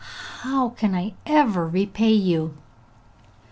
How can I ever repay you?'